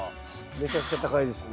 めちゃくちゃ高いですね。